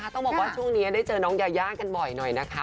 ต้องบอกว่าช่วงนี้ได้เจอน้องยายากันบ่อยหน่อยนะคะ